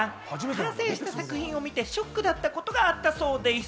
完成した作品を見て、ショックだったことがあったそうでぃす。